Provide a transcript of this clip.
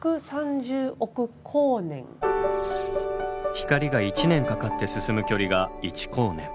光が１年かかって進む距離が１光年。